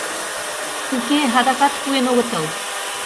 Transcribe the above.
Уке, адакат пуэн огытыл.